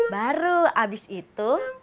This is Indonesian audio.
baru abis itu